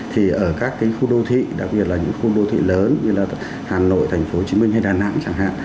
thì ở các cái khu đô thị đặc biệt là những khu đô thị lớn như là hà nội thành phố hồ chí minh hay đà nẵng chẳng hạn